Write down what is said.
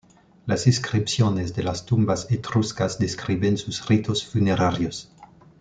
Las inscripciones de las tumbas etruscas describen sus ritos funerarios.